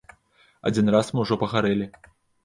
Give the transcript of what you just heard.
Адзін раз мы ўжо пагарэлі.